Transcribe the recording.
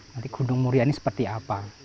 nanti gunung muria ini seperti apa